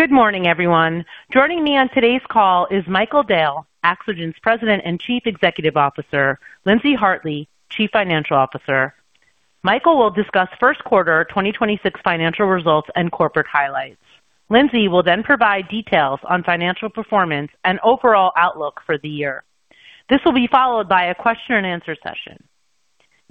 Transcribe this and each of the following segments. Good morning, everyone. Joining me on today's call is Michael Dale, AxoGen President and Chief Executive Officer, Lindsey Hartley, Chief Financial Officer. Michael will discuss first quarter 2026 financial results and corporate highlights. Lindsey will provide details on financial performance and overall outlook for the year. This will be followed by a question and answer session.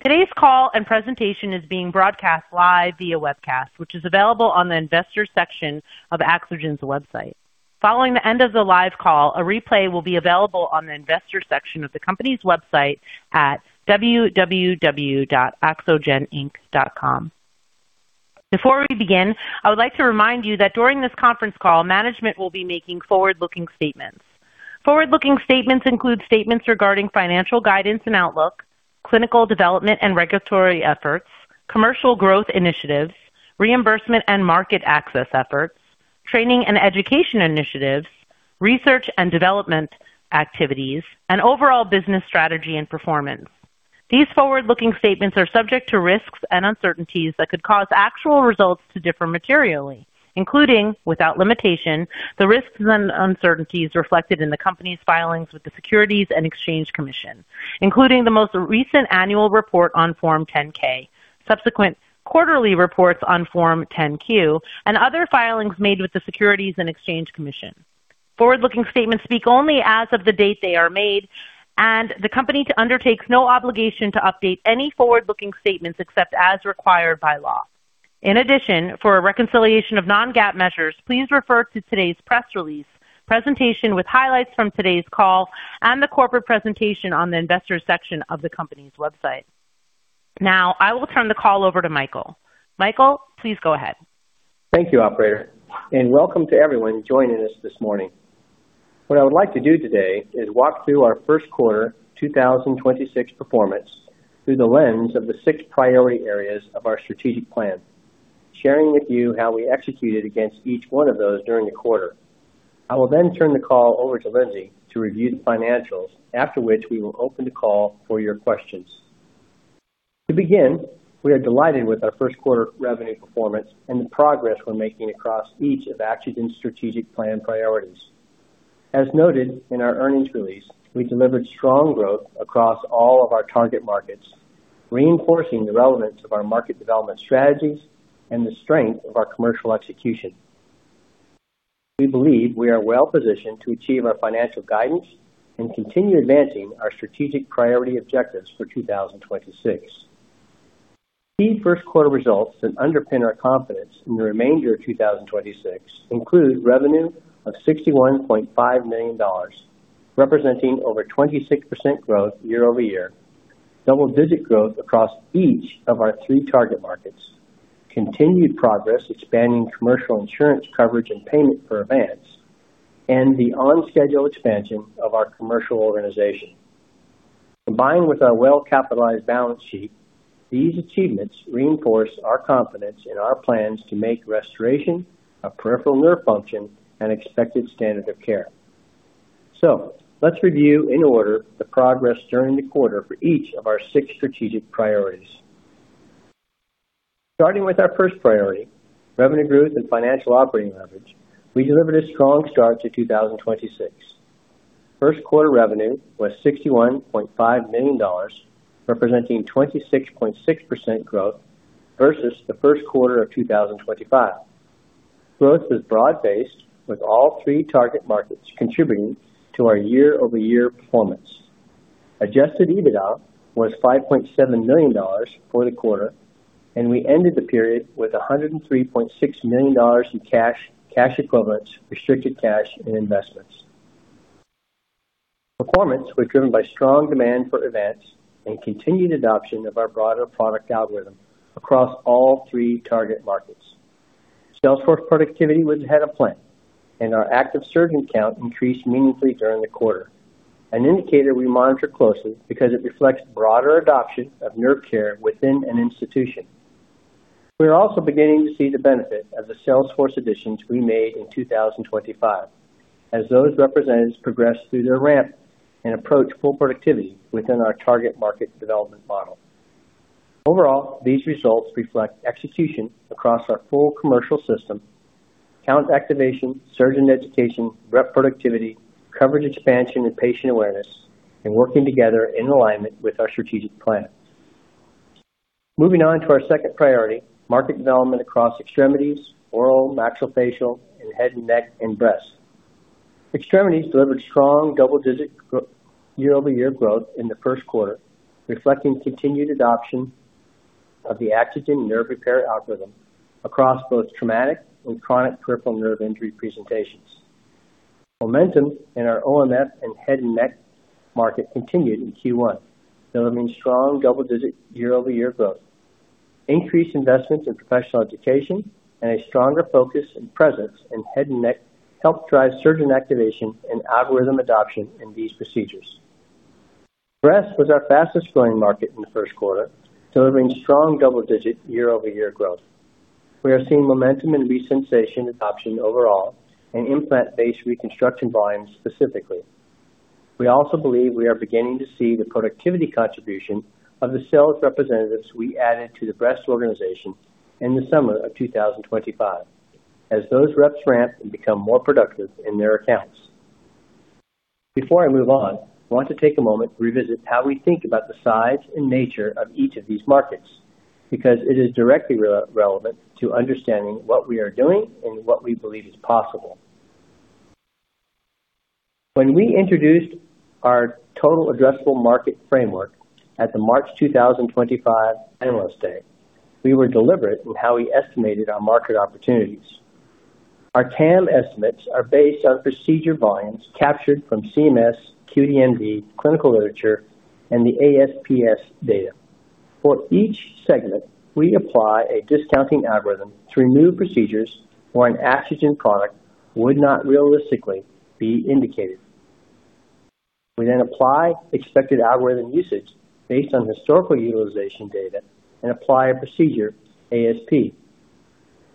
Today's call and presentation is being broadcast live via webcast, which is available on the Investors section of AxoGen's website. Following the end of the live call, a replay will be available on the Investors section of the company's website at www.axogeninc.com. Before we begin, I would like to remind you that during this conference call, management will be making forward-looking statements. Forward-looking statements include statements regarding financial guidance and outlook, clinical development and regulatory efforts, commercial growth initiatives, reimbursement and market access efforts, training and education initiatives, research and development activities, and overall business strategy and performance. These forward-looking statements are subject to risks and uncertainties that could cause actual results to differ materially, including, without limitation, the risks and uncertainties reflected in the company's filings with the Securities and Exchange Commission, including the most recent annual report on Form 10-K, subsequent quarterly reports on Form 10-Q, and other filings made with the Securities and Exchange Commission. Forward-looking statements speak only as of the date they are made, and the company undertakes no obligation to update any forward-looking statements except as required by law. For a reconciliation of non-GAAP measures, please refer to today's press release presentation with highlights from today's call and the corporate presentation on the Investors section of the company's website. I will turn the call over to Michael. Michael, please go ahead. Thank you, operator. Welcome to everyone joining us this morning. What I would like to do today is walk through our first quarter 2026 performance through the lens of the six priority areas of our strategic plan, sharing with you how we executed against each one of those during the quarter. I will turn the call over to Lindsey to review the financials, after which we will open the call for your questions. To begin, we are delighted with our first quarter revenue performance and the progress we're making across each of AxoGen's strategic plan priorities. As noted in our earnings release, we delivered strong growth across all of our target markets, reinforcing the relevance of our market development strategies and the strength of our commercial execution. We believe we are well positioned to achieve our financial guidance and continue advancing our strategic priority objectives for 2026. Key first quarter results that underpin our confidence in the remainder of 2026 include revenue of $61.5 million, representing over 26% growth year-over-year, double-digit growth across each of our three target markets, continued progress expanding commercial insurance coverage and payment for Avance, and the on-schedule expansion of our commercial organization. Combined with our well-capitalized balance sheet, these achievements reinforce our confidence in our plans to make restoration of peripheral nerve function an expected standard of care. Let's review, in order, the progress during the quarter for each of our six strategic priorities. Starting with our first priority, revenue growth and financial operating leverage, we delivered a strong start to 2026. First quarter revenue was $61.5 million, representing 26.6% growth versus the first quarter of 2025. Growth was broad-based, with all three target markets contributing to our year-over-year performance. Adjusted EBITDA was $5.7 million for the quarter. We ended the period with $103.6 million in cash equivalents, restricted cash and investments. Performance was driven by strong demand for Avance and continued adoption of our broader product algorithm across all three target markets. Salesforce productivity was ahead of plan. Our active surgeon count increased meaningfully during the quarter, an indicator we monitor closely because it reflects broader adoption of nerve care within an institution. We are also beginning to see the benefit of the Salesforce additions we made in 2025, as those representatives progress through their ramp and approach full productivity within our target market development model. These results reflect execution across our full commercial system, account activation, surgeon education, rep productivity, coverage expansion and patient awareness, and working together in alignment with our strategic plan. Moving on to our second priority, market development across extremities, oral, maxillofacial, and head, neck and breast. Extremities delivered strong double-digit year-over-year growth in the first quarter, reflecting continued adoption of the AxoGen nerve repair algorithm across both traumatic and chronic peripheral nerve injury presentations. Momentum in our OMF and head and neck market continued in Q1, delivering strong double-digit year-over-year growth. Increased investments in professional education and a stronger focus and presence in head and neck helped drive surgeon activation and algorithm adoption in these procedures. Breast was our fastest growing market in the first quarter, delivering strong double-digit year-over-year growth. We are seeing momentum in Resensation adoption overall and implant-based reconstruction volumes specifically. We also believe we are beginning to see the productivity contribution of the sales representatives we added to the breast organization in the summer of 2025 as those reps ramp and become more productive in their accounts. Before I move on, I want to take a moment to revisit how we think about the size and nature of each of these markets because it is directly relevant to understanding what we are doing and what we believe is possible. When we introduced our total addressable market framework at the March 2025 Analyst Day, we were deliberate in how we estimated our market opportunities. Our TAM estimates are based on procedure volumes captured from CMS, QDND, clinical literature, and the ASPS data. For each segment, we apply a discounting algorithm to remove procedures where an AxoGen product would not realistically be indicated. We apply expected algorithm usage based on historical utilization data and apply a procedure ASP.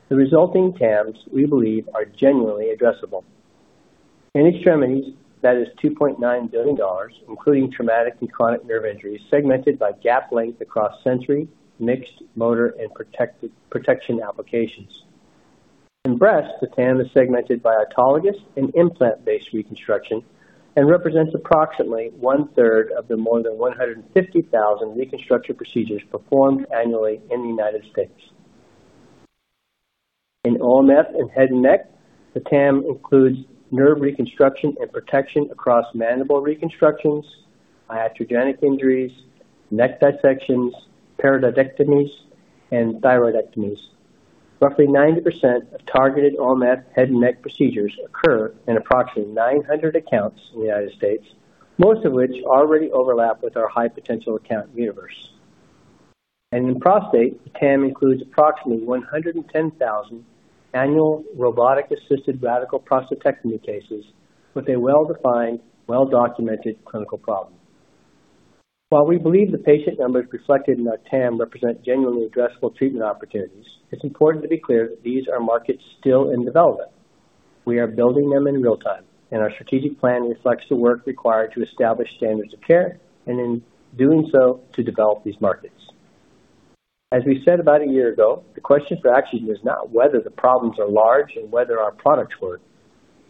The resulting TAMs, we believe, are genuinely addressable. In extremities, that is $2.9 billion, including traumatic and chronic nerve injuries segmented by gap length across sensory, mixed, motor, and protection applications. In breast, the TAM is segmented by autologous and implant-based reconstruction and represents approximately 1/3 of the more than 150,000 reconstruction procedures performed annually in the United States. In OMF and head and neck, the TAM includes nerve reconstruction and protection across mandible reconstructions, iatrogenic injuries, neck dissections, parotidectomies, and thyroidectomies. Roughly 90% of targeted OMF head and neck procedures occur in approximately 900 accounts in the United States, most of which already overlap with our high-potential account universe. In prostate, TAM includes approximately 110,000 annual robotic-assisted radical prostatectomy cases with a well-defined, well-documented clinical problem. While we believe the patient numbers reflected in our TAM represent genuinely addressable treatment opportunities, it's important to be clear that these are markets still in development. We are building them in real-time, and our strategic plan reflects the work required to establish standards of care, and in doing so, to develop these markets. As we said about a year ago, the question for AxoGen is not whether the problems are large and whether our products work.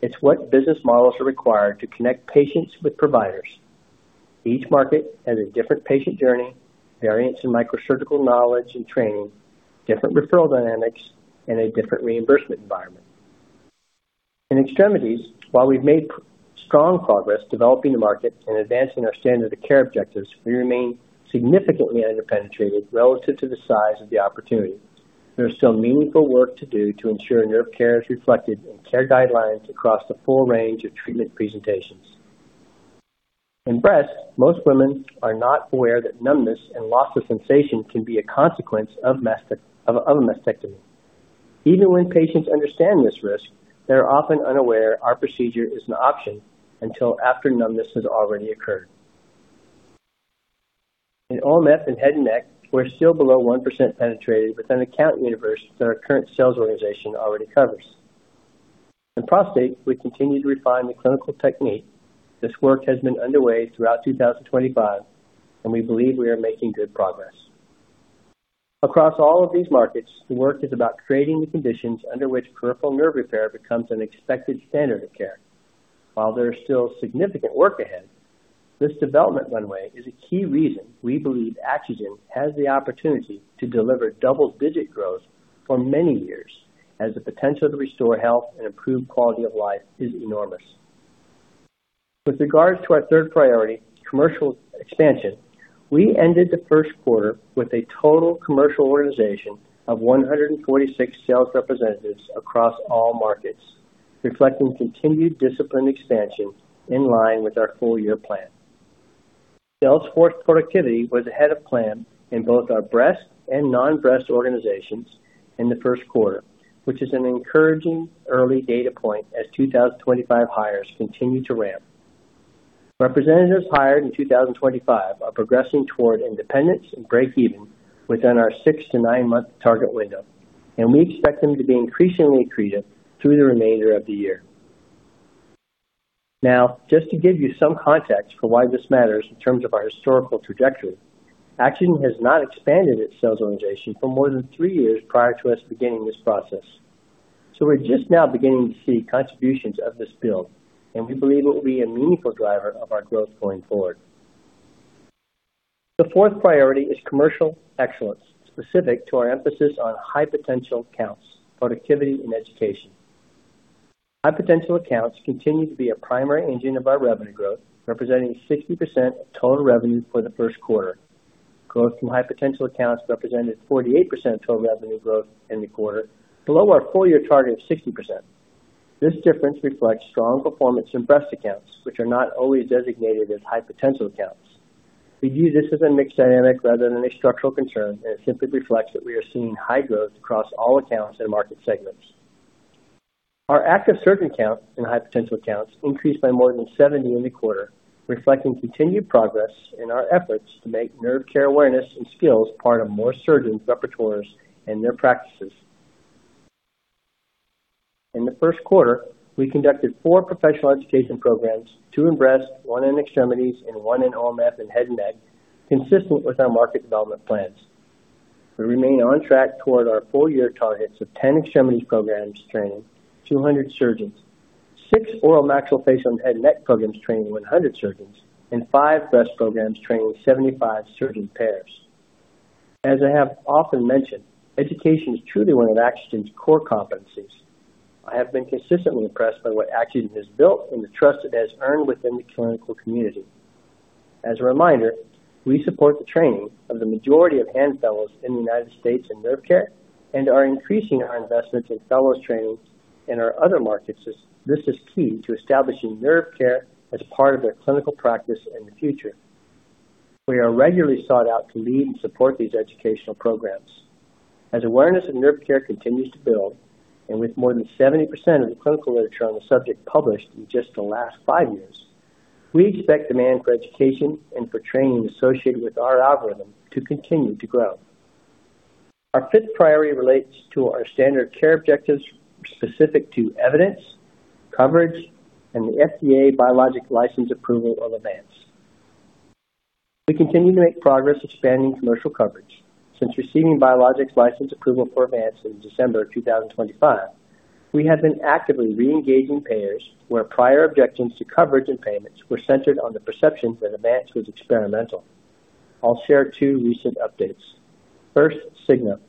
It's what business models are required to connect patients with providers. Each market has a different patient journey, variance in microsurgical knowledge and training, different referral dynamics, and a different reimbursement environment. In extremities, while we've made strong progress developing the market and advancing our standard of care objectives, we remain significantly under-penetrated relative to the size of the opportunity. There is still meaningful work to do to ensure nerve care is reflected in care guidelines across the full range of treatment presentations. In breast, most women are not aware that numbness and loss of sensation can be a consequence of a mastectomy. Even when patients understand this risk, they're often unaware our procedure is an option until after numbness has already occurred. In OMF and head and neck, we're still below 1% penetrated within an account universe that our current sales organization already covers. In prostate, we continue to refine the clinical technique. This work has been underway throughout 2025, and we believe we are making good progress. Across all of these markets, the work is about creating the conditions under which peripheral nerve repair becomes an expected standard of care. While there is still significant work ahead, this development runway is a key reason we believe AxoGen has the opportunity to deliver double-digit growth for many years, as the potential to restore health and improve quality of life is enormous. With regards to our third priority, commercial expansion, we ended the first quarter with a total commercial organization of 146 sales representatives across all markets, reflecting continued disciplined expansion in line with our full-year plan. Sales force productivity was ahead of plan in both our breast and non-breast organizations in the first quarter, which is an encouraging early data point as 2025 hires continue to ramp. Representatives hired in 2025 are progressing toward independence and breakeven within our six to nine-month target window, and we expect them to be increasingly accretive through the remainder of the year. Now, just to give you some context for why this matters in terms of our historical trajectory, AxoGen has not expanded its sales organization for more than three years prior to us beginning this process. We're just now beginning to see contributions of this build, and we believe it will be a meaningful driver of our growth going forward. The fourth priority is commercial excellence, specific to our emphasis on high-potential accounts, productivity, and education. High-potential accounts continue to be a primary engine of our revenue growth, representing 60% of total revenue for the first quarter. Growth from high-potential accounts represented 48% of total revenue growth in the quarter, below our full-year target of 60%. This difference reflects strong performance in breast accounts, which are not always designated as high-potential accounts. We view this as a mixed dynamic rather than a structural concern, and it simply reflects that we are seeing high growth across all accounts and market segments. Our active surgeon count in high-potential accounts increased by more than 70 in the quarter, reflecting continued progress in our efforts to make nerve care awareness and skills part of more surgeons' repertoires and their practices. In the first quarter, we conducted four professional education programs, two in breast, one in extremities, and one in OMF and head and neck, consistent with our market development plans. We remain on track toward our full-year targets of 10 extremities programs training 200 surgeons, six oral maxillofacial and head and neck programs training 100 surgeons, and five breast programs training 75 surgeon pairs. As I have often mentioned, education is truly one of AxoGen's core competencies. I have been consistently impressed by what AxoGen has built and the trust it has earned within the clinical community. As a reminder, we support the training of the majority of hand fellows in the United States in nerve care, and are increasing our investments in fellows training in our other markets as this is key to establishing nerve care as part of their clinical practice in the future. We are regularly sought out to lead and support these educational programs. As awareness of nerve care continues to build, and with more than 70% of the clinical literature on the subject published in just the last five years, we expect demand for education and for training associated with our algorithm to continue to grow. Our fifth priority relates to our standard care objectives specific to evidence, coverage, and the FDA Biologics License approval of Avance. We continue to make progress expanding commercial coverage. Since receiving Biologic License approval for Avance in December of 2025, we have been actively re-engaging payers where prior objections to coverage and payments were centered on the perception that Avance was experimental. I'll share two recent updates. First, Cigna.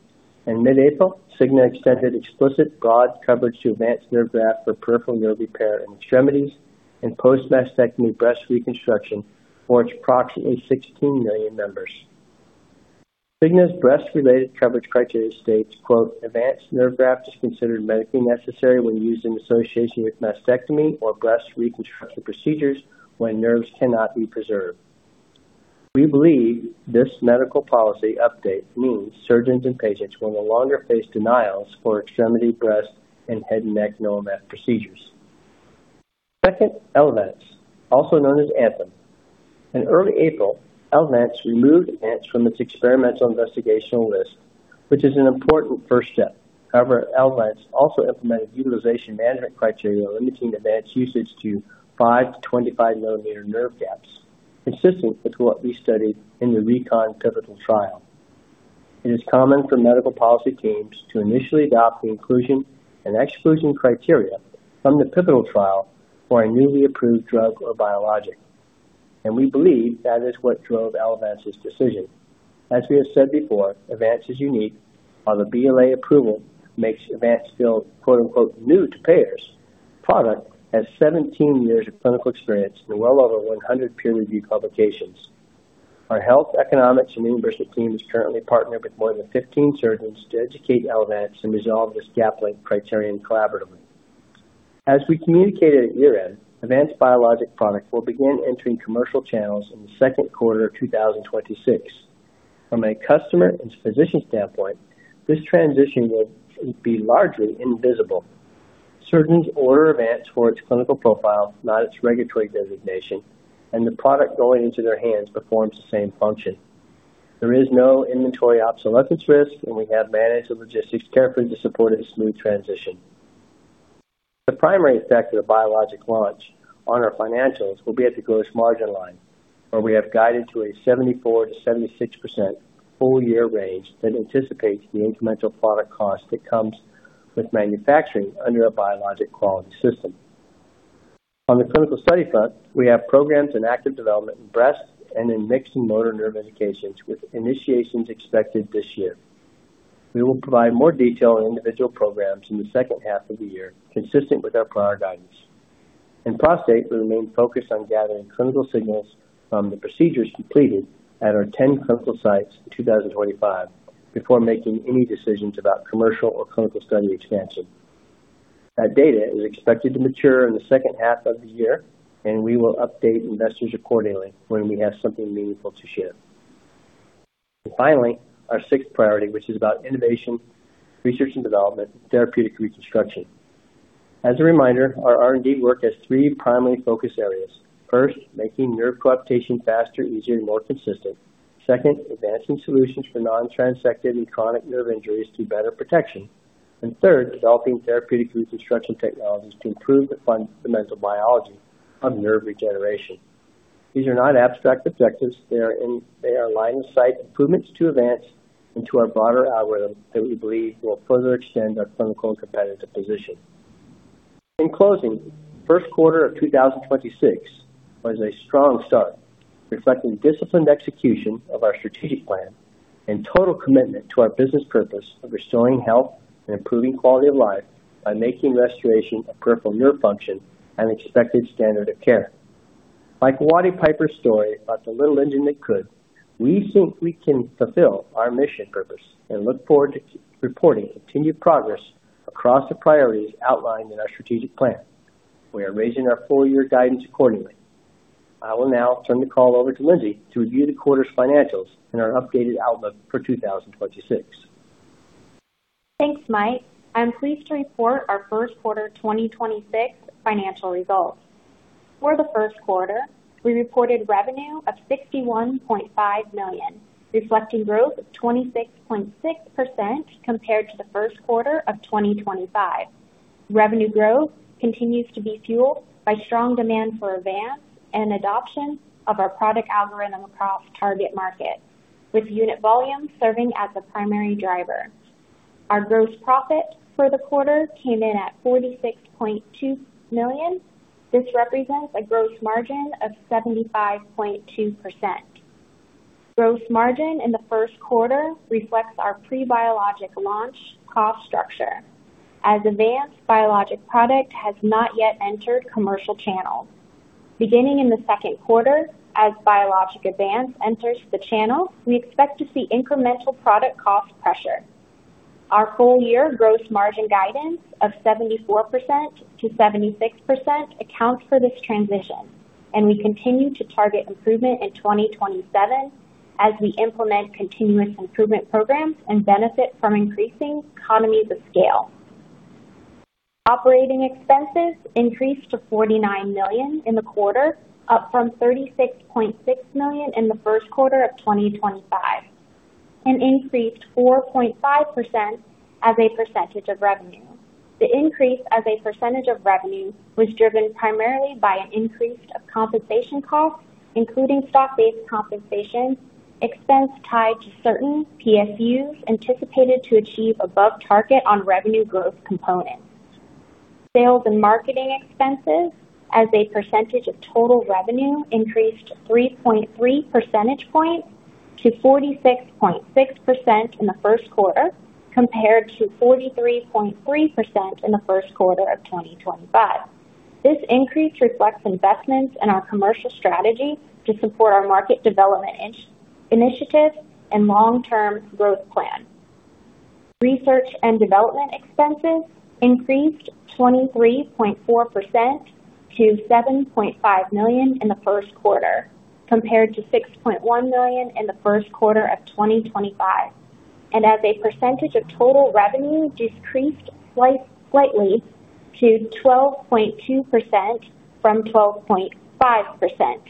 In mid-April, Cigna extended explicit broad coverage to Avance Nerve Graft for peripheral nerve repair in extremities and post-mastectomy breast reconstruction for its approximately 16 million members. Cigna's breast-related coverage criteria states, quote, "Avance Nerve Graft is considered medically necessary when used in association with mastectomy or breast reconstruction procedures when nerves cannot be preserved." We believe this medical policy update means surgeons and patients will no longer face denials for extremity, breast, and head and neck OMF procedures. Second, Elevance, also known as Anthem. In early April, Elevance removed Avance from its experimental investigational list, which is an important first step. Elevance also implemented utilization management criteria limiting Avance usage to 5 mm-25 mm nerve gaps, consistent with what we studied in the RECON pivotal trial. It is common for medical policy teams to initially adopt the inclusion and exclusion criteria from the pivotal trial for a newly approved drug or biologic, and we believe that is what drove Elevance's decision. We have said before, Avance is unique. While the BLA approval makes Avance feel, quote-unquote, "new to payers," the product has 17 years of clinical experience and well over 100 peer-reviewed publications. Our health economics and reimbursement team is currently partnered with more than 15 surgeons to educate Elevance and resolve this gap length criterion collaboratively. We communicated at year-end, Avance biologic product will begin entering commercial channels in the second quarter of 2026. From a customer and physician standpoint, this transition will be largely invisible. Surgeons order Avance for its clinical profile, not its regulatory designation, and the product going into their hands performs the same function. There is no inventory obsolescence risk, and we have managed the logistics carefully to support a smooth transition. The primary effect of the biologic launch on our financials will be at the gross margin line, where we have guided to a 74%-76% full-year range that anticipates the incremental product cost that comes with manufacturing under a biologic quality system. On the clinical study front, we have programs in active development in breast and in mixed motor nerve indications, with initiations expected this year. We will provide more detail on individual programs in the second half of the year, consistent with our prior guidance. In prostate, we remain focused on gathering clinical signals from the procedures completed at our 10 clinical sites in 2025 before making any decisions about commercial or clinical study expansion. We will update investors accordingly when we have something meaningful to share. Finally, our sixth priority, which is about innovation, research and development, therapeutic reconstruction. As a reminder, our R&D work has three primary focus areas. First, making nerve coaptation faster, easier, and more consistent. Second, advancing solutions for non-transected and chronic nerve injuries through better protection. Third, developing therapeutic reconstruction technologies to improve the fundamental biology of nerve regeneration. These are not abstract objectives. They are line-of-sight improvements to Avance into our broader algorithm that we believe will further extend our clinical and competitive position. In closing, first quarter of 2026 was a strong start, reflecting disciplined execution of our strategic plan and total commitment to our business purpose of restoring health and improving quality of life by making restoration of peripheral nerve function an expected standard of care. Like Watty Piper's story about The Little Engine That Could, we think we can fulfill our mission purpose and look forward to keep reporting continued progress across the priorities outlined in our strategic plan. We are raising our full-year guidance accordingly. I will now turn the call over to Lindsey to review the quarter's financials and our updated outlook for 2026. Thanks, Mike. I'm pleased to report our first quarter 2026 financial results. For the first quarter, we reported revenue of $61.5 million, reflecting growth of 26.6% compared to the first quarter of 2025. Revenue growth continues to be fueled by strong demand for Avance and adoption of our product algorithm across target markets, with unit volume serving as the primary driver. Our gross profit for the quarter came in at $46.2 million. This represents a gross margin of 75.2%. Gross margin in the first quarter reflects our pre-biologic launch cost structure as Avance biologic product has not yet entered commercial channels. Beginning in the second quarter, as biologic Avance enters the channel, we expect to see incremental product cost pressure. Our full-year gross margin guidance of 74%-76% accounts for this transition. We continue to target improvement in 2027 as we implement continuous improvement programs and benefit from increasing economies of scale. Operating expenses increased to $49 million in the quarter, up from $36.6 million in the first quarter of 2025. Increased 4.5% as a percentage of revenue. The increase as a percentage of revenue was driven primarily by an increase of compensation costs, including stock-based compensation expense tied to certain PSUs anticipated to achieve above target on revenue growth components. Sales and marketing expenses as a percentage of total revenue increased 3.3 percentage points to 46.6% in the first quarter, compared to 43.3% in the first quarter of 2025. This increase reflects investments in our commercial strategy to support our market development initiative and long-term growth plan. Research and development expenses increased 23.4% to $7.5 million in the first quarter, compared to $6.1 million in the first quarter of 2025, and as a percentage of total revenue, decreased slightly to 12.2% from 12.5%.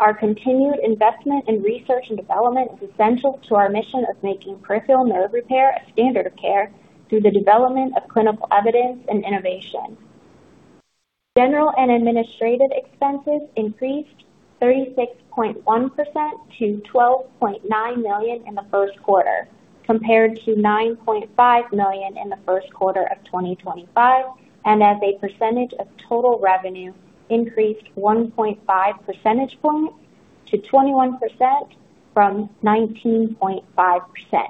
Our continued investment in research and development is essential to our mission of making peripheral nerve repair a standard of care through the development of clinical evidence and innovation. General and administrative expenses increased 36.1% to $12.9 million in the first quarter, compared to $9.5 million in the first quarter of 2025, and as a percentage of total revenue, increased 1.5 percentage points to 21% from 19.5%.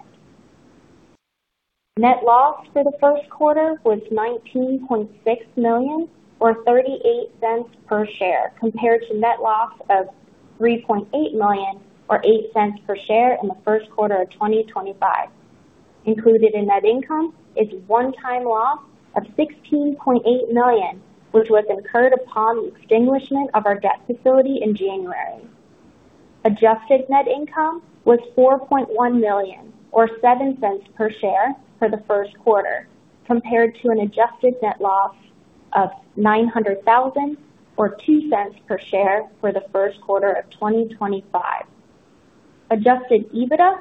Net loss for the first quarter was $19.6 million, or $0.38 per share, compared to net loss of $3.8 million or $0.08 per share in the first quarter of 2025. Included in net income is one-time loss of $16.8 million, which was incurred upon the extinguishment of our debt facility in January. Adjusted net income was $4.1 million or $0.07 per share for the first quarter, compared to an adjusted net loss of $900,000 or $0.02 per share for the first quarter of 2025. Adjusted EBITDA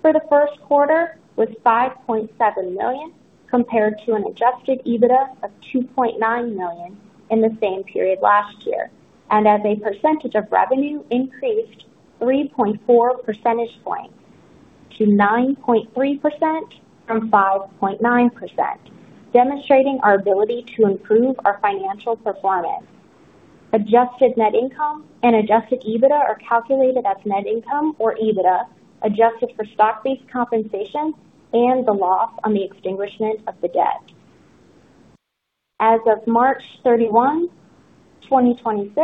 for the first quarter was $5.7 million, compared to an Adjusted EBITDA of $2.9 million in the same period last year, and as a percentage of revenue, increased 3.4 percentage points to 9.3% from 5.9%, demonstrating our ability to improve our financial performance. Adjusted net income and adjusted EBITDA are calculated as net income or EBITDA, adjusted for stock-based compensation and the loss on the extinguishment of the debt. As of March 31, 2026,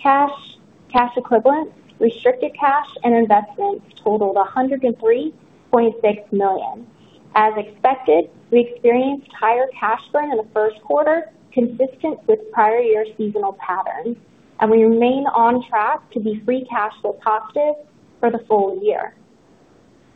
cash equivalents, restricted cash and investments totaled $103.6 million. As expected, we experienced higher cash burn in the first quarter, consistent with prior year seasonal patterns, and we remain on track to be free cash flow positive for the full year.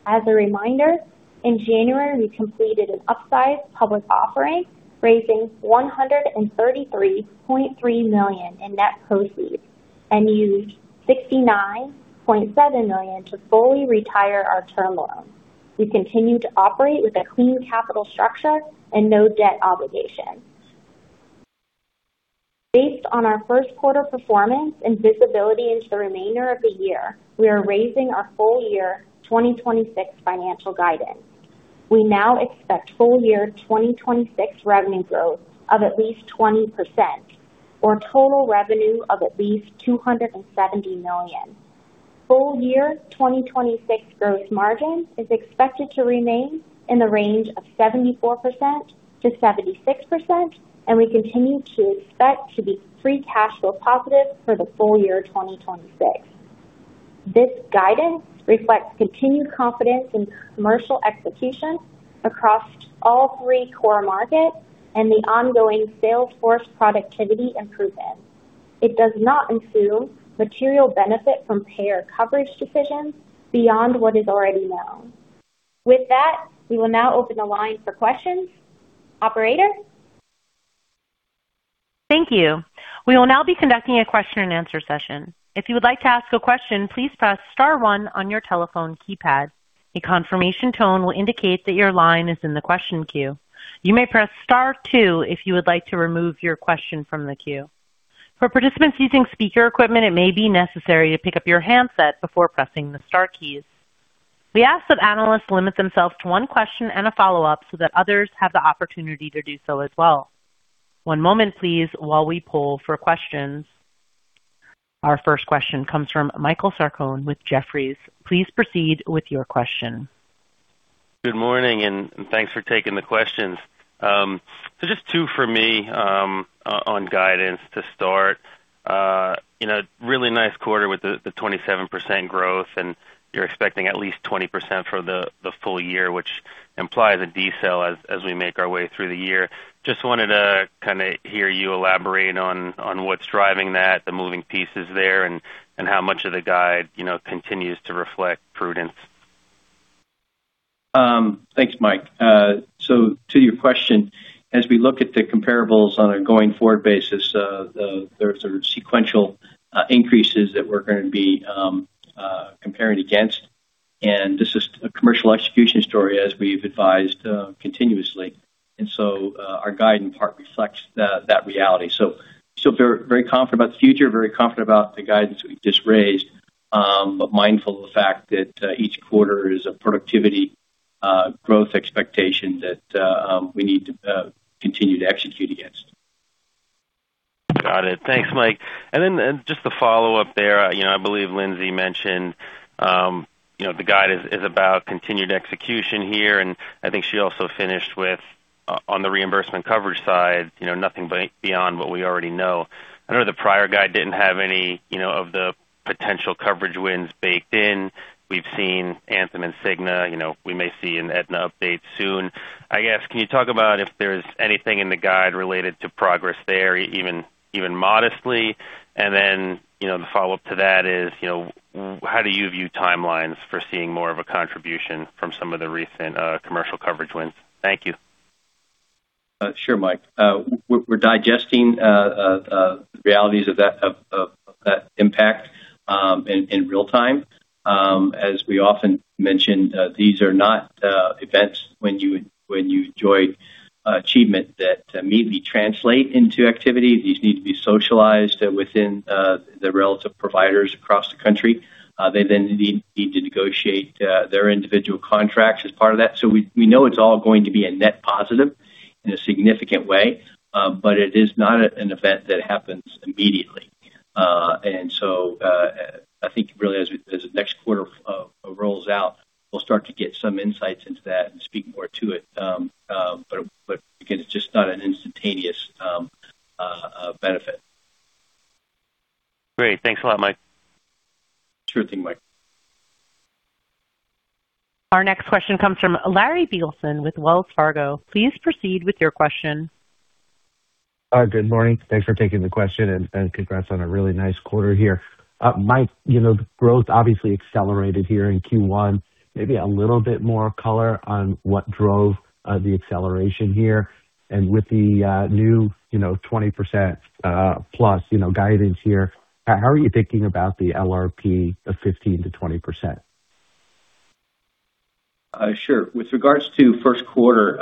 As a reminder, in January, we completed an upsized public offering, raising $133.3 million in net proceeds and used $69.7 million to fully retire our term loan. We continue to operate with a clean capital structure and no debt obligations. Based on our first quarter performance and visibility into the remainder of the year, we are raising our full year 2026 financial guidance. We now expect full year 2026 revenue growth of at least 20%, or total revenue of at least $270 million. Full year 2026 growth margin is expected to remain in the range of 74%-76%. We continue to expect to be free cash flow positive for the full year 2026. This guidance reflects continued confidence in commercial execution across all three core markets and the ongoing sales force productivity improvements. It does not include material benefit from payer coverage decisions beyond what is already known. With that, we will now open the line for questions. Operator? Thank you. We will now be conducting a question-and-answer session. If you like to ask a question please press star one on your telephone keypad. The confirmation tone will indicate that your line is in the question queue. You may press star two if you would like to remove your question from the queue. We ask that analysts limit themselves to one question and a follow-up so that others have the opportunity to do so as well. One moment please while we poll for questions. Our first question comes from Michael Sarcone with Jefferies. Please proceed with your question. Good morning. Thanks for taking the questions. Just two for me on guidance to start. You know, really nice quarter with the 27% growth, and you're expecting at least 20% for the full year, which implies a decel as we make our way through the year. Just wanted to kind of hear you elaborate on what's driving that, the moving pieces there, and how much of the guide, you know, continues to reflect prudence. Thanks, Mike. To your question, as we look at the comparables on a going forward basis, there are sort of sequential increases that we're gonna be comparing against, and this is a commercial execution story as we've advised continuously. Our guide in part reflects that reality. Very, very confident about the future, very confident about the guidance we just raised, but mindful of the fact that each quarter is a productivity growth expectation that we need to continue to execute against. Got it. Thanks, Mike. Just a follow-up there. You know, I believe Lindsey mentioned, you know, the guide is about continued execution here, and I think she also finished with on the reimbursement coverage side, you know, nothing beyond what we already know. I know the prior guide didn't have any, you know, of the potential coverage wins baked in. We've seen Anthem and Cigna. You know, we may see an Aetna update soon. I guess, can you talk about if there's anything in the guide related to progress there, even modestly? You know, how do you view timelines for seeing more of a contribution from some of the recent commercial coverage wins? Thank you. Sure, Mike. We're digesting the realities of that impact in real time. As we often mention, these are not Avance when you enjoy achievement that immediately translate into activity. These need to be socialized within the relative providers across the country. They then need to negotiate their individual contracts as part of that. We know it's all going to be a net positive in a significant way, but it is not an event that happens immediately. I think really as the next quarter rolls out, we'll start to get some insights into that and speak more to it. Again, it's just not an instantaneous benefit. Great. Thanks a lot, Mike. Sure thing, Mike. Our next question comes from Larry Biegelsen with Wells Fargo. Please proceed with your question. Good morning. Thanks for taking the question, and congrats on a really nice quarter here. Mike, you know, the growth obviously accelerated here in Q1. Maybe a little bit more color on what drove the acceleration here. With the new, you know, 20%+, you know, guidance here, how are you thinking about the LRP of 15%-20%? Sure. With regards to first quarter,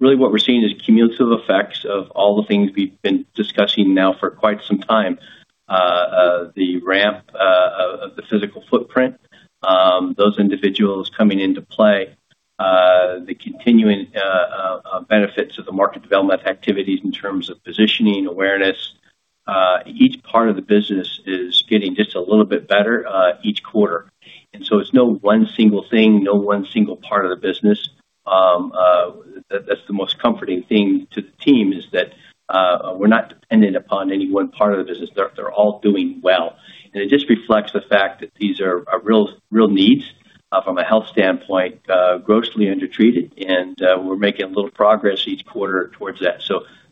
really what we're seeing is cumulative effects of all the things we've been discussing now for quite some time. The ramp of the physical footprint, those individuals coming into play, the continuing benefits of the market development activities in terms of positioning, awareness. Each part of the business is getting just a little bit better each quarter. It's no one single thing, no one single part of the business. That's the most comforting thing to the team, is that we're not dependent upon any one part of the business. They're all doing well. It just reflects the fact that these are real needs from a health standpoint, grossly undertreated, and we're making a little progress each quarter towards that.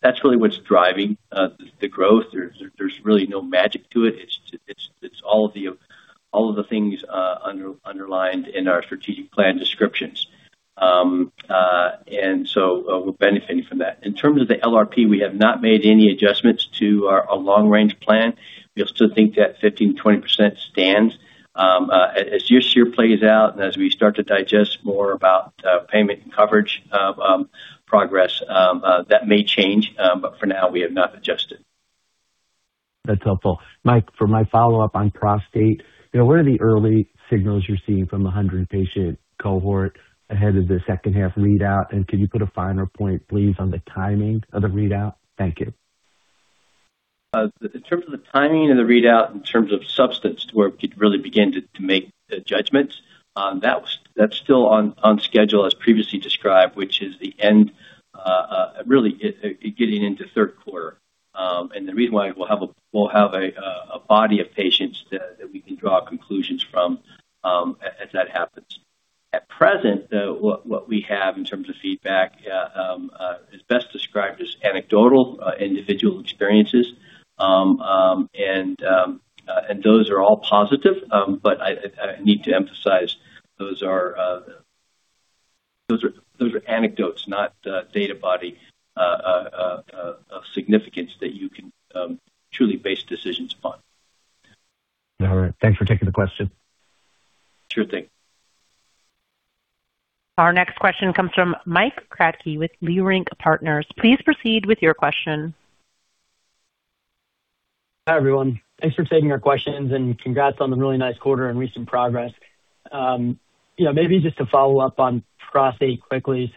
That's really what's driving the growth. There's really no magic to it. It's just, it's all of the things underlined in our strategic plan descriptions. We're benefiting from that. In terms of the LRP, we have not made any adjustments to our long-range plan. We still think that 15%-20% stands. As this year plays out and as we start to digest more about payment and coverage progress, that may change, but for now, we have not adjusted. That's helpful. Mike, for my follow-up on prostate, you know, what are the early signals you're seeing from the 100-patient cohort ahead of the second half readout? Can you put a finer point, please, on the timing of the readout? Thank you. In terms of the timing of the readout, in terms of substance to where we could really begin to make judgments, that's still on schedule as previously described, which is the end, really getting into third quarter. The reason why, we'll have a body of patients that we can draw conclusions from as that happens. At present, though, what we have in terms of feedback is best described as anecdotal, individual experiences, and those are all positive. I need to emphasize those are anecdotes, not data body of significance that you can truly base decisions upon. All right. Thanks for taking the question. Sure thing. Our next question comes from Mike Kratky with Leerink Partners. Please proceed with your question. Hi, everyone. Thanks for taking our questions. Congrats on the really nice quarter and recent progress. You know, maybe just to follow up on prostate quickly.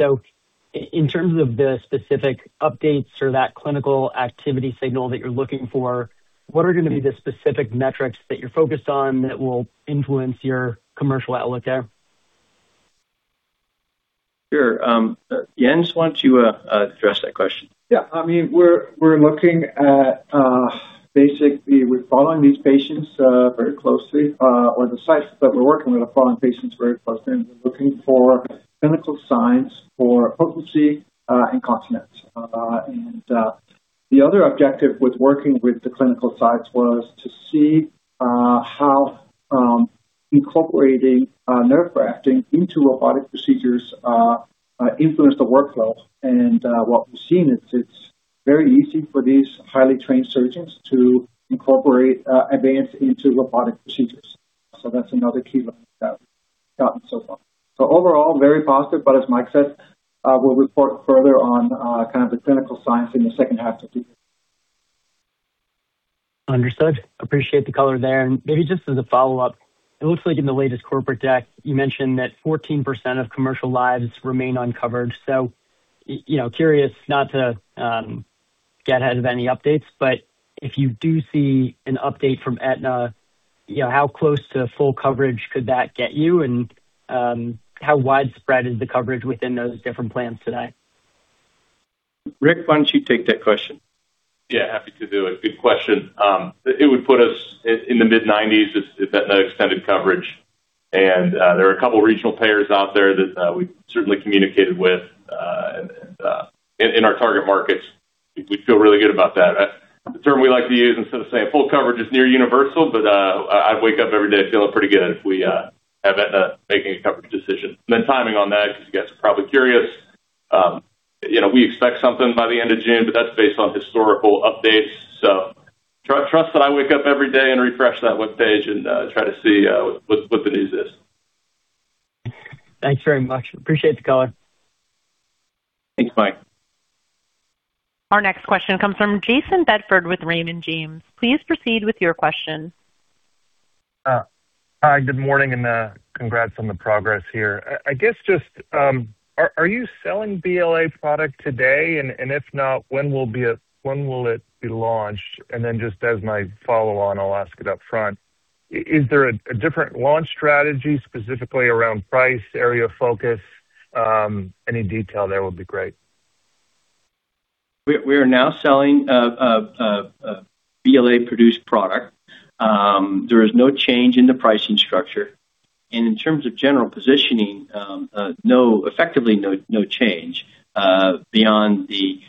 In terms of the specific updates or that clinical activity signal that you're looking for, what are gonna be the specific metrics that you're focused on that will influence your commercial outlook there? Sure. Jens, why don't you address that question? Yeah. I mean, we're looking at, basically we're following these patients very closely, or the sites that we're working with are following patients very closely, and we're looking for clinical signs for potency and continent. The other objective with working with the clinical sites was to see how incorporating nerve grafting into robotic procedures influence the workflow. What we've seen is it's very easy for these highly trained surgeons to incorporate Avance into robotic procedures. That's another key lesson that we've gotten so far. Overall, very positive, but as Mike said, we'll report further on kind of the clinical science in the second half of the year. Understood. Appreciate the color there. Maybe just as a follow-up, it looks like in the latest corporate deck you mentioned that 14% of commercial lives remain uncovered. You know, curious not to get ahead of any updates, but if you do see an update from Aetna, you know, how close to full coverage could that get you? How widespread is the coverage within those different plans today? Rick, why don't you take that question? Yeah, happy to do it. Good question. It would put us in the mid-90s if Aetna extended coverage. There are a couple regional payers out there that we certainly communicated with and in our target markets. We feel really good about that. The term we like to use instead of saying full coverage is near universal. I wake up every day feeling pretty good if we have Aetna making a coverage decision. Timing on that, because you guys are probably curious, you know, we expect something by the end of June. That's based on historical updates. Trust that I wake up every day and refresh that webpage and try to see what the news is. Thanks very much. Appreciate the color. Thanks, Mike. Our next question comes from Jayson Bedford with Raymond James. Please proceed with your question. Hi, good morning, congrats on the progress here. I guess just, are you selling BLA product today? If not, when will it be launched? Just as my follow on, I'll ask it up front. Is there a different launch strategy specifically around price, area of focus? Any detail there will be great. We are now selling a BLA-produced product. There is no change in the pricing structure. In terms of general positioning, effectively no change beyond the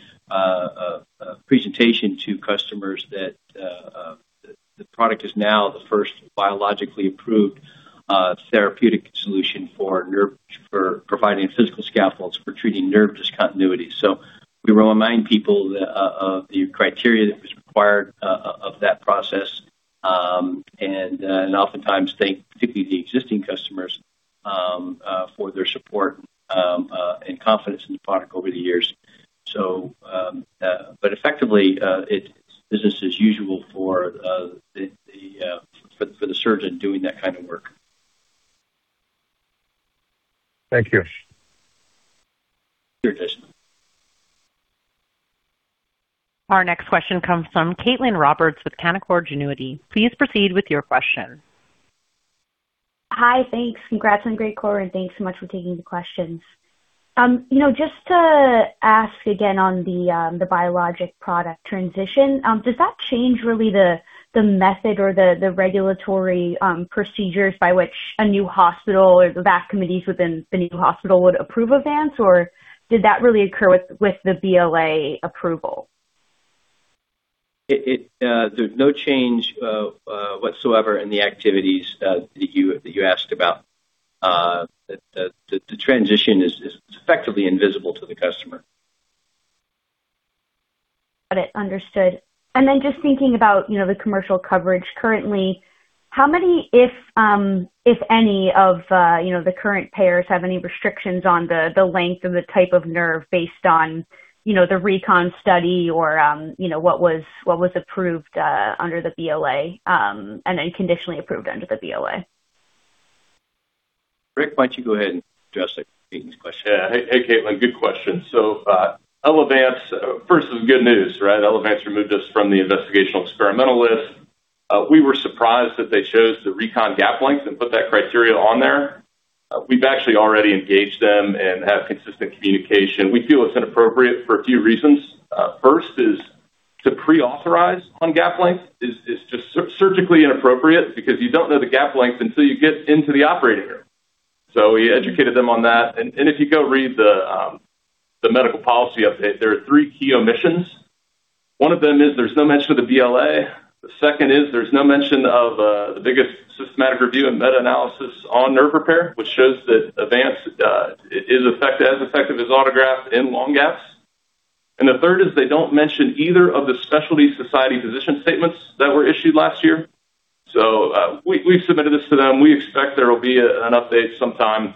presentation to customers that the product is now the first biologically approved therapeutic solution for providing physical scaffolds for treating nerve discontinuity. We remind people the criteria that was required of that process, and oftentimes thank particularly the existing customers for their support and confidence in the product over the years. But effectively, it's business as usual for the surgeon doing that kind of work. Thank you. Sure, Jayson. Our next question comes from Caitlin Roberts with Canaccord Genuity. Please proceed with your question. Hi. Thanks. Congrats on great quarter, thanks so much for taking the questions. You know, just to ask again on the biologic product transition, does that change really the method or the regulatory procedures by which a new hospital or the VAC committees within the new hospital would approve Avance, or did that really occur with the BLA approval? There's no change whatsoever in the activities that you asked about. The transition is effectively invisible to the customer. Got it. Understood. Just thinking about, you know, the commercial coverage currently, how many, if any of, you know, the current payers have any restrictions on the length or the type of nerve based on, you know, the RECON study or, you know, what was approved under the BLA, and then conditionally approved under the BLA? Rick, why don't you go ahead and address Caitlin's question? Hey, Caitlin, good question. First is good news, right? Elevance removed us from the investigational experimental list. We were surprised that they chose the RECON gap length and put that criteria on there. We've actually already engaged them and have consistent communication. We feel it's inappropriate for a few reasons. First is to pre-authorize on gap length is just surgically inappropriate because you don't know the gap length until you get into the operating room. We educated them on that. If you go read the medical policy update, there are three key omissions. One of them is there's no mention of the BLA. The second is there's no mention of the biggest systematic review and meta-analysis on nerve repair, which shows that Avance is as effective as autograft in long gaps. The third is they don't mention either of the specialty society position statements that were issued last year. We've submitted this to them. We expect there will be an update sometime,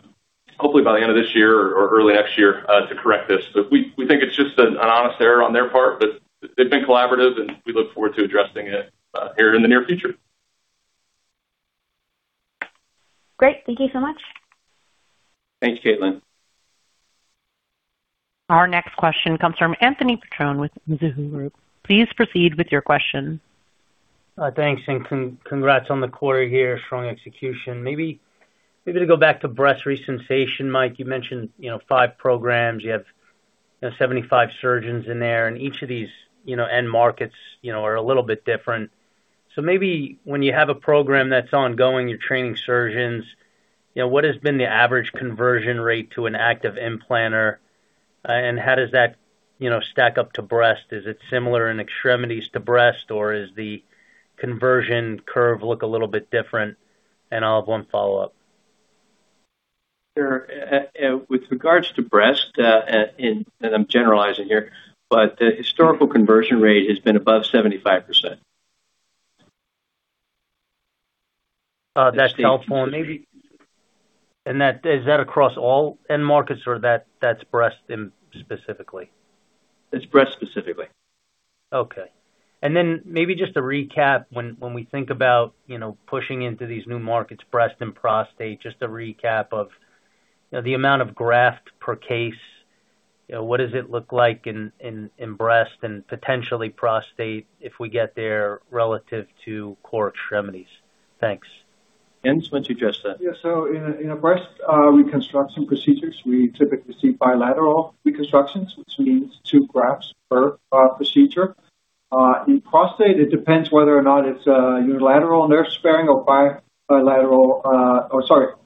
hopefully by the end of this year or early next year, to correct this. We think it's just an honest error on their part, but they've been collaborative, and we look forward to addressing it here in the near future. Great. Thank you so much. Thanks, Caitlin. Our next question comes from Anthony Petrone with Mizuho Group. Please proceed with your question. Thanks and congrats on the quarter here. Strong execution. Maybe to go back to Resensation, Mike, you mentioned, you know, five programs. You have, you know, 75 surgeons in there, and each of these, you know, end markets, you know, are a little bit different. Maybe when you have a program that's ongoing, you're training surgeons, you know, what has been the average conversion rate to an active implanter, and how does that, you know, stack up to breast? Is it similar in extremities to breast, or is the conversion curve look a little bit different? I'll have one follow-up. Sure. With regards to breast, and I'm generalizing here, but the historical conversion rate has been above 75%. That's helpful. That, is that across all end markets or that's breast in specifically? It's breast specifically. Okay. Maybe just to recap, when we think about, you know, pushing into these new markets, breast and prostate, just a recap of, you know, the amount of graft per case. You know, what does it look like in breast and potentially prostate if we get there relative to core extremities? Thanks. Jens, why don't you address that? Yeah. In a breast reconstruction procedures, we typically see bilateral reconstructions, which means two grafts per procedure. In prostate, it depends whether or not it's a unilateral nerve-sparing or bilateral or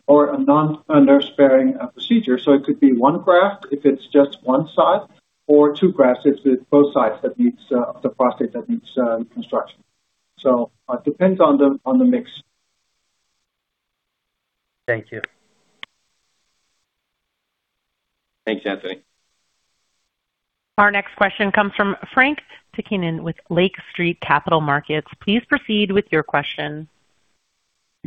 a non-nerve-sparing procedure. It could be one graft if it's just one side or two grafts if it's both sides that needs the prostate that needs reconstruction. It depends on the mix. Thank you. Thanks, Anthony. Our next question comes from Frank Takkinen with Lake Street Capital Markets. Please proceed with your question.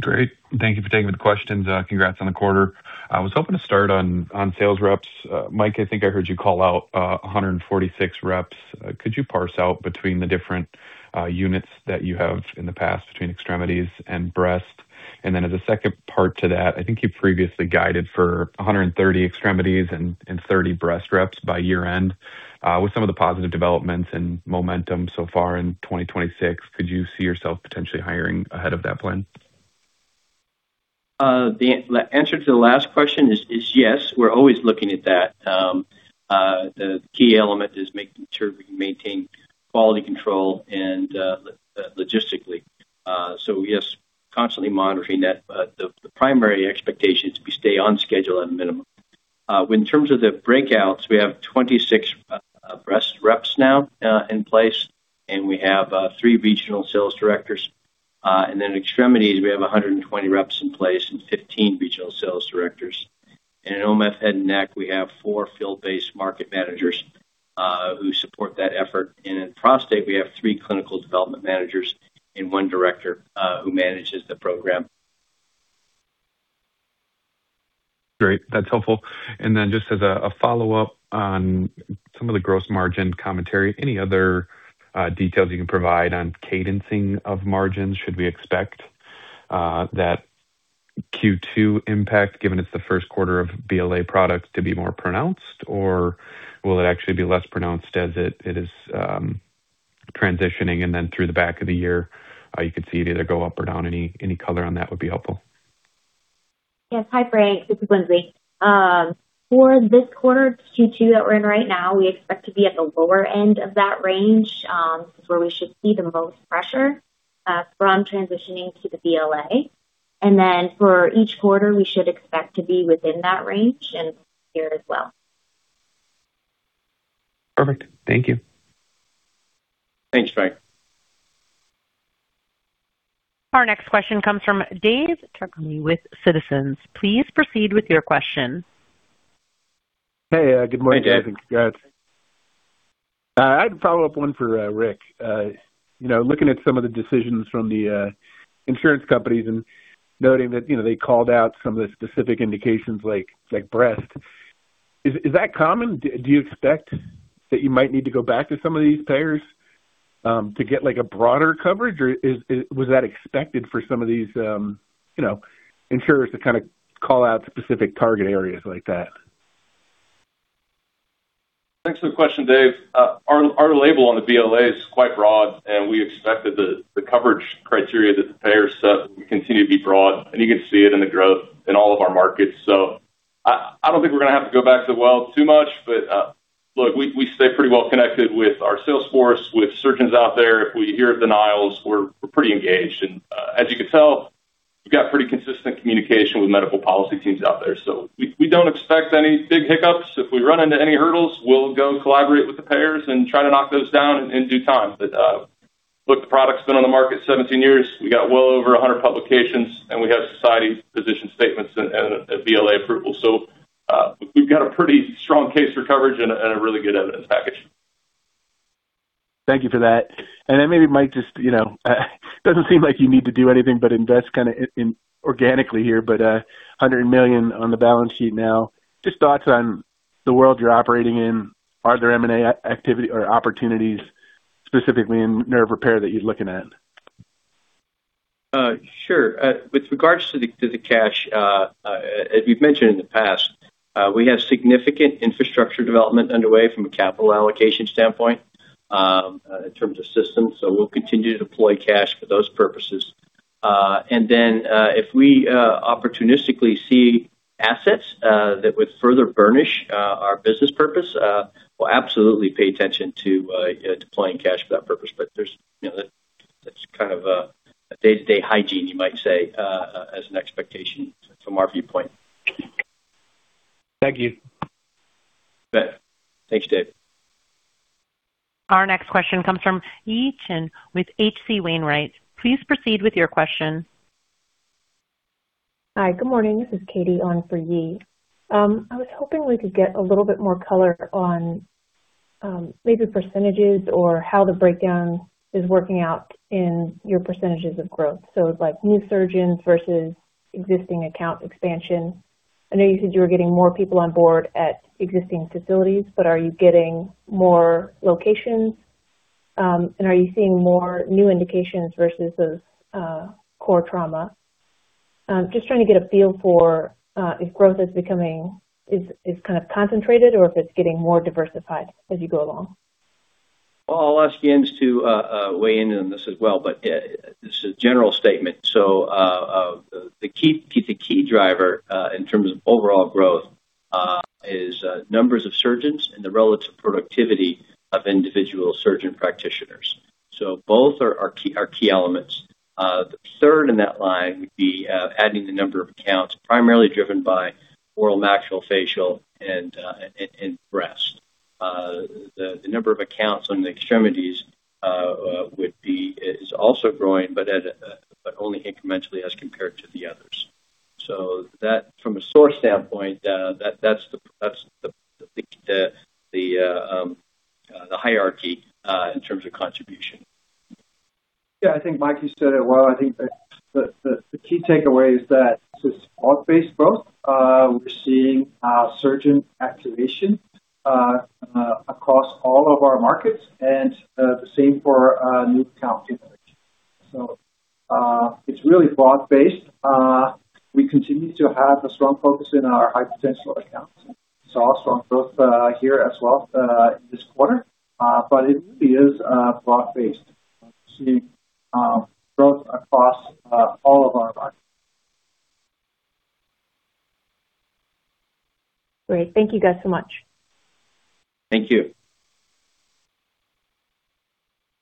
Great. Thank you for taking the questions. Congrats on the quarter. I was hoping to start on sales reps. Michael, I think I heard you call out 146 reps. Could you parse out between the different units that you have in the past between extremities and breast? As a second part to that, I think you previously guided for 130 extremities and 30 breast reps by year-end. With some of the positive developments and momentum so far in 2026, could you see yourself potentially hiring ahead of that plan? The answer to the last question is yes, we're always looking at that. The key element is making sure we can maintain quality control logistically. Yes, constantly monitoring that. The primary expectation is we stay on schedule at a minimum. In terms of the breakouts, we have 26 breast reps now in place, and we have three regional sales directors. Then extremities, we have 120 reps in place and 15 regional sales directors. In OMF Head & Neck, we have four field-based market managers who support that effort. In prostate, we have 3 clinical development managers and one director who manages the program. Great. That's helpful. Just as a follow-up on some of the gross margin commentary, any other details you can provide on cadencing of margins? Should we expect that Q2 impact, given it's the first quarter of BLA products to be more pronounced, or will it actually be less pronounced as it is transitioning and then through the back of the year, you could see it either go up or down? Any color on that would be helpful. Yes. Hi, Frank Takkinen, this is Lindsey Hartley. For this quarter, Q2 that we're in right now, we expect to be at the lower end of that range, where we should see the most pressure from transitioning to the BLA. For each quarter, we should expect to be within that range and here as well. Perfect. Thank you. Thanks, Frank. Our next question comes from David Turkaly with Citizens. Please proceed with your question. Hey, good morning, guys, and congrats. Hey, David. I had a follow-up one for Rick. You know, looking at some of the decisions from the insurance companies and noting that, you know, they called out some of the specific indications like breast. Is that common? Do you expect that you might need to go back to some of these payers to get like a broader coverage? Or was that expected for some of these, you know, insurers to kind of call out specific target areas like that? Thanks for the question, Dave. Our label on the BLA is quite broad, and we expect that the coverage criteria that the payers set will continue to be broad. You can see it in the growth in all of our markets. I don't think we're gonna have to go back to the well too much. Look, we stay pretty well connected with our sales force, with surgeons out there. If we hear denials, we're pretty engaged. As you can tell, we've got pretty consistent communication with medical policy teams out there. We don't expect any big hiccups. If we run into any hurdles, we'll go and collaborate with the payers and try to knock those down in due time. Look, the product's been on the market 17 years. We got well over 100 publications, and we have society position statements and a BLA approval. We've got a pretty strong case for coverage and a really good evidence package. Thank you for that. Maybe Mike just, you know, doesn't seem like you need to do anything but invest kinda in organically here, but $100 million on the balance sheet now. Just thoughts on the world you're operating in. Are there M&A activity or opportunities, specifically in nerve repair, that you're looking at? Sure. With regards to the cash, as we've mentioned in the past, we have significant infrastructure development underway from a capital allocation standpoint, in terms of systems. We'll continue to deploy cash for those purposes. If we opportunistically see assets that would further burnish our business purpose, we'll absolutely pay attention to, you know, deploying cash for that purpose. There's, you know, that's kind of a day-to-day hygiene, you might say, as an expectation from our viewpoint. Thank you. You bet. Thanks, David. Our next question comes from Yi Chen with H.C. Wainwright & Co. Please proceed with your question. Hi, good morning. This is [Katherine] on for Yi. I was hoping we could get a little bit more color on maybe percentages or how the breakdown is working out in your percentages of growth, so like new surgeons versus existing account expansion. I know you said you were getting more people on board at existing facilities, but are you getting more locations, and are you seeing more new indications versus core trauma? Just trying to get a feel for if growth is becoming kind of concentrated or if it's getting more diversified as you go along. I'll ask Jens to weigh in on this as well, but yeah, this is a general statement. The key driver in terms of overall growth is numbers of surgeons and the relative productivity of individual surgeon practitioners. Both are key elements. The third in that line would be adding the number of accounts primarily driven by oral maxillofacial and breast. The number of accounts on the extremities is also growing, but only incrementally as compared to the others. That from a source standpoint, that's the hierarchy in terms of contribution. Yeah, I think Mike, you said it well. I think that the key takeaway is that this is broad-based growth. We're seeing surgeon activation across all of our markets and the same for new account integration. It's really broad based. We continue to have a strong focus in our high potential accounts. It's also both here as well in this quarter, but it really is broad based. We're seeing growth across all of our markets. Great. Thank you guys so much. Thank you.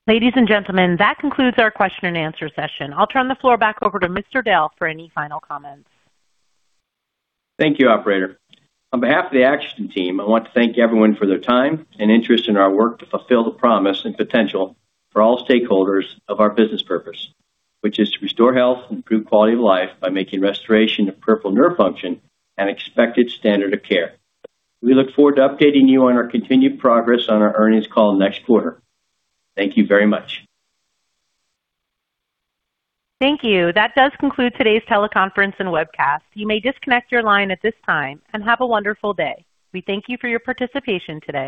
Ladies and gentlemen, that concludes our question and answer session. I will turn the floor back over to Michael Dale for any final comments. Thank you, operator. On behalf of the AxoGen team, I want to thank everyone for their time and interest in our work to fulfill the promise and potential for all stakeholders of our business purpose, which is to restore health and improve quality of life by making restoration of peripheral nerve function an expected standard of care. We look forward to updating you on our continued progress on our earnings call next quarter. Thank you very much. Thank you. That does conclude today's teleconference and webcast. You may disconnect your line at this time and have a wonderful day. We thank you for your participation today.